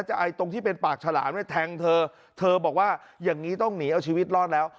ไอ้ตรงที่เป็นปากฉลามมาแทงเธอเธอบอกว่าอย่างนี้ต้องหนีเอาชีวิตรอดแล้ว